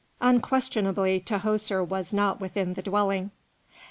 Unquestionably Tahoser was not within the dwelling.